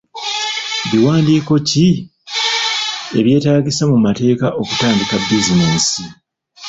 Biwandiiko ki ebyetaagisa mu mateeka okutandika bizinensi?